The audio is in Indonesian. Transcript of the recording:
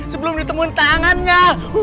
sebelum ditemuin tangannya